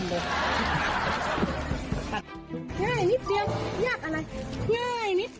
ทุกปัญหามีทางออกจบไม่ต้องอย่าซับซ้อมในชีวิต